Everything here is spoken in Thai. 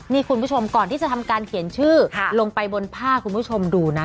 นี่คุณผู้ชมก่อนที่จะทำการเขียนชื่อลงไปบนผ้าคุณผู้ชมดูนะ